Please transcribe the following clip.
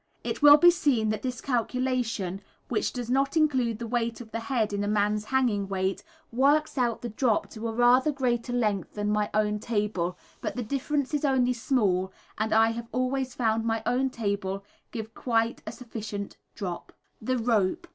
It will be seen that this calculation, which does not include the weight of the head in a man's hanging weight, works out the drop to a rather greater length than my own table, but the difference is only small, and I have always found my own table give quite sufficient drop. The Rope.